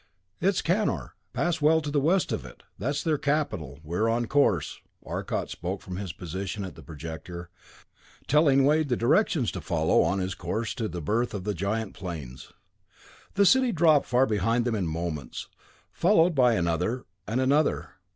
"It's Kanor. Pass well to the west of it. That's their capital. We're on course." Arcot spoke from his position at the projector, telling Wade the directions to follow on his course to the berth of the giant planes. The city dropped far behind them in moments, followed by another, and another.